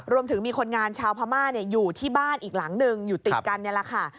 มีคนงานชาวพม่าอยู่ที่บ้านอีกหลังหนึ่งอยู่ติดกันนี่แหละค่ะ